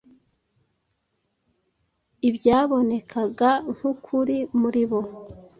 ibyabonekaga nk’ukuri muri bo,